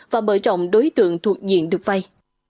và bởi trọng đối tượng thuộc diện được vây